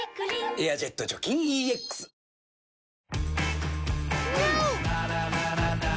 「エアジェット除菌ＥＸ」あれ？